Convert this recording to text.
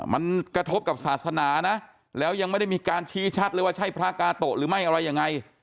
มันกระทบกับศาสนานะแล้วยังไม่ได้มีการชี้ชัดเลยว่าใช่พระกาโตะหรือไม่อะไรยังไง